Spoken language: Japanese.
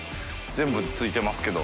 全部ついてますけど。